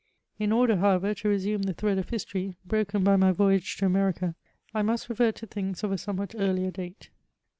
In order, however, to resume the thread of history, broken by my voyage to America, I must revert to things of a somewhat earlier date.